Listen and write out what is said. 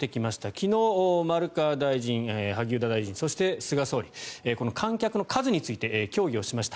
昨日、丸川大臣、萩生田大臣そして菅総理この観客の数について協議をしました。